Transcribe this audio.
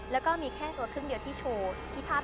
แล้วก็มีแค่ตัวครึ่งเดียวที่โชว์ที่ภาพ